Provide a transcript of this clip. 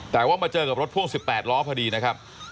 แต่ว่ามาเจอกับรถพ่วง๑๘ล้อพอดีนะครับ